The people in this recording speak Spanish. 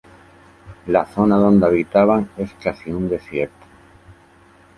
La zona donde habitaban es casi un desierto.